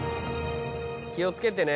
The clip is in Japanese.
気をつけてね。